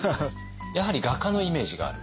やはり画家のイメージがある？